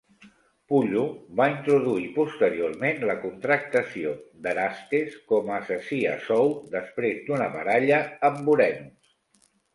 Pullo va introduir posteriorment la contractació d"Erastes com assassí a sou després d"una baralla amb Vorenus.